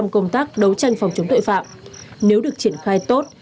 các đấu tranh phòng chống tội phạm nếu được triển khai tốt